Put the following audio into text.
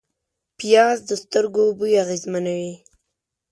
پیاز د سترګو بوی اغېزمنوي